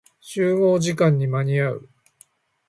集合時間に間に合う。